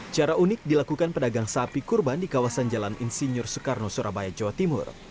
cara unik dilakukan pedagang sapi kurban di kawasan jalan insinyur soekarno surabaya jawa timur